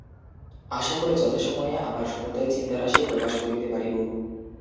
আশা করি, যথাসময়ে আমার সমুদয় চিন্তারাশি প্রকাশ করিতে পারিব।